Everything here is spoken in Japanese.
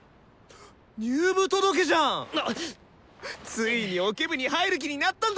ついにオケ部に入る気になったんだな！